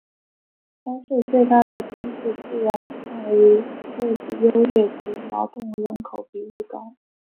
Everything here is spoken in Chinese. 该市最大的经济资源在于位置优越及劳动人口比例高。